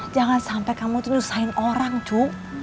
jangan sampai kamu tuh nyusahin orang cu